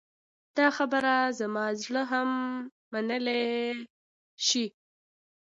دا خبره زما زړه هم منلی شي.